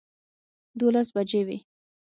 دولس بجې وې